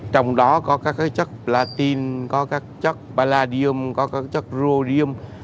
trong đó có các chất platin có các chất palladium có các chất rhodium